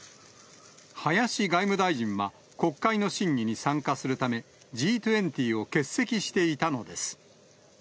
林外務大臣は、国会の審議に参加するため、Ｇ２０を欠席していたのです。